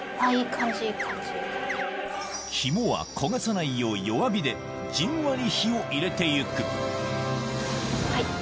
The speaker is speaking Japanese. キモは焦がさないよう弱火でじんわり火を入れて行くはい！